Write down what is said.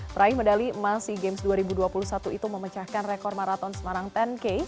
peraih medali emas sea games dua ribu dua puluh satu itu memecahkan rekor maraton semarang sepuluh k